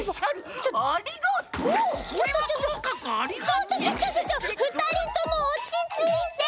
ちょっとちょちょちょふたりともおちついて！